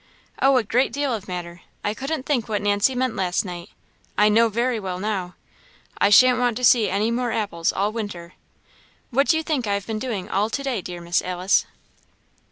"Oh, a great deal of matter! I couldn't think what Nancy meant last night I know very well now. I shan't want to see any more apples all winter. What do you think I have been about all to day, dear Miss Alice?"